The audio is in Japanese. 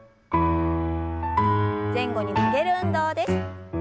前後に曲げる運動です。